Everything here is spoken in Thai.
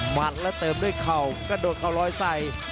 มัดแล้วเติมด้วยเข่ากระโดดเข่าลอยใส่